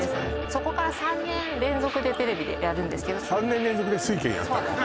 そこから３年連続でテレビでやるんですけど３年連続で「酔拳」やったの？